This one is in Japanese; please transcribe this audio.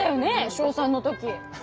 小３の時。